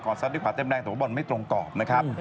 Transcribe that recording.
ซัดด้วยขวาเต็มแรงแต่ว่าบอลไม่ตรงกรอบนะครับ